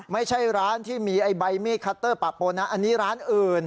ไม่ใช่ร้านที่มีไอ้ใบมีดคัตเตอร์ปะโปนะอันนี้ร้านอื่น